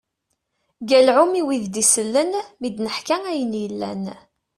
Galɛum i wid d-isellen, mi d-neḥka ayen yellan.